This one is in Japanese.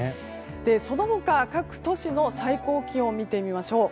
その他、各都市の最高気温を見てみましょう。